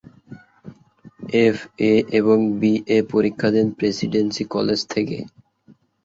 FA এবং BA পরীক্ষা দেন প্রেসিডেন্সী কলেজ থেকে।